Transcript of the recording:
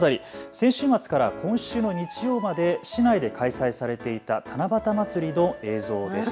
先週末から今週の日曜まで市内で開催されていた七夕まつりの映像です。